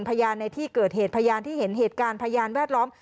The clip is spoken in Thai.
พยานในที่เกิดเหตุพยานที่เห็นเหตุการณ์พยานแวดล้อม